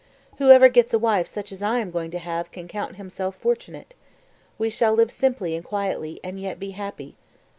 Whoever gets a wife such as I am going to have can count himself fortunate. We shall live simply and quietly, and yet be happy.